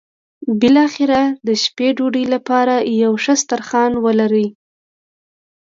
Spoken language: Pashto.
بالاخره د شپې ډوډۍ لپاره یو ښه سترخوان ولري.